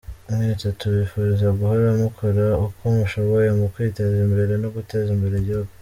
Mwese tubifuriza guhora mukora uko mushoboye mu kwiteza imbere no guteza imbere igihugu.